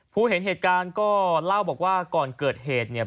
เห็นเหตุการณ์ก็เล่าบอกว่าก่อนเกิดเหตุเนี่ย